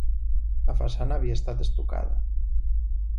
La façana havia estat estucada.